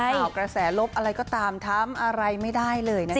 ข่าวกระแสลบอะไรก็ตามทำอะไรไม่ได้เลยนะคะ